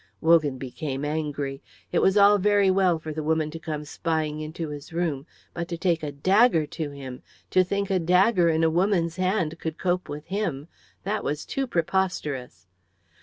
Wogan became angry. It was all very well for the woman to come spying into his room; but to take a dagger to him, to think a dagger in a woman's hand could cope with him, that was too preposterous.